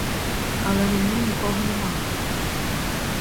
Але на ній нікого нема.